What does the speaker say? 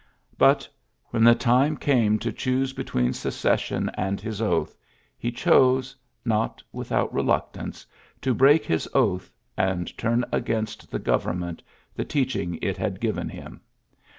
But, when the time came to choose be tween Secession and his oath, he chose (not without reluctance) to break his oath, and turn against the government the teaching it had given him.